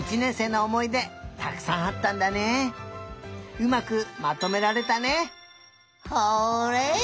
うまくまとめられたね！